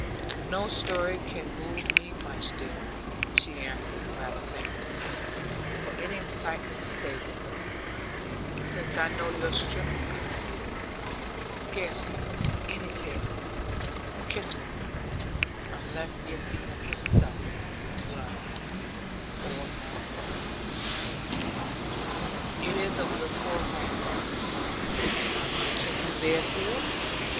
'No story can move me much, dear,' she answered rather faintly, for any excitement stayed with her; 'since I know your strength of kindness, scarcely any tale can move me, unless it be of yourself, love; or of my poor mother.' 'It is of your poor mother, darling. Can you bear to hear it?'